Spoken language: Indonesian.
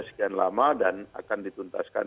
sekian lama dan akan dituntaskan